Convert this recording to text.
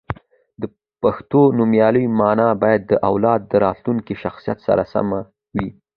• د پښتو نومونو مانا باید د اولاد د راتلونکي شخصیت سره سمه وي.